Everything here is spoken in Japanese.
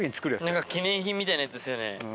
何か記念品みたいなやつっすよね。